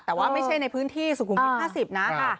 แต่ว่าไม่ใช่ในพื้นที่สุขุมวิท๕๐นะค่ะ